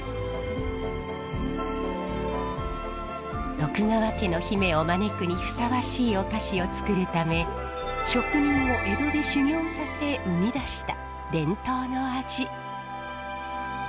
徳川家の姫を招くにふさわしいお菓子を作るため職人を江戸で修業させ生み出した伝統の味。